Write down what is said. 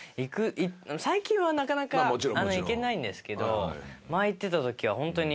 最近はなかなか行けないんですけど前行ってた時はホントに。